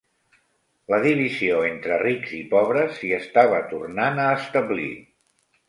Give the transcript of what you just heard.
La divisió entre rics i pobres s'hi estava tornant a establir.